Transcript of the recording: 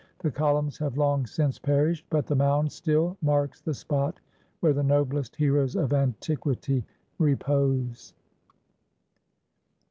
The columns have long since perished, but the mound still marks the spot where the noblest heroes of antiquity repose.